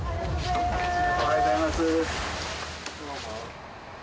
おはようございます。